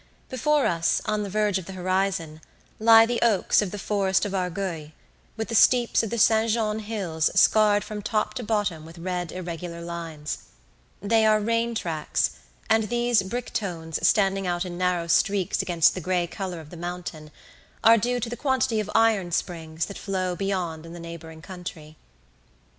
Before us, on the verge of the horizon, lie the oaks of the forest of Argueil, with the steeps of the Saint Jean hills scarred from top to bottom with red irregular lines; they are rain tracks, and these brick tones standing out in narrow streaks against the grey colour of the mountain are due to the quantity of iron springs that flow beyond in the neighboring country.